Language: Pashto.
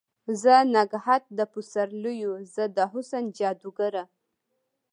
زه نګهت د پسر لیو، زه د حسن جادوګره